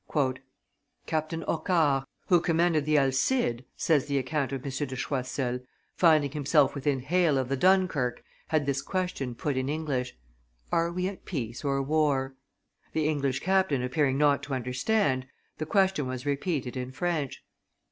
"Captain Hocquart, who commanded the Alcide," says the account of M. de Choiseul, "finding himself within hail of the Dunkerque, had this question put in English: 'Are we at peace or war?' The English captain appearing not to understand, the question was repeated in French.